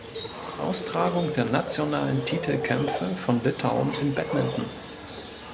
Austragung der nationalen Titelkämpfe von Litauen im Badminton.